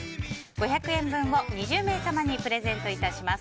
５００円分を２０名様にプレゼントいたします。